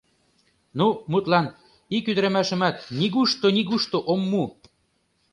Ну, мутлан, ик ӱдырамашымат нигушто-нигушто от му.